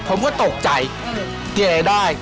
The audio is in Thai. ผมก็ตกใจเกลียดอะไรได้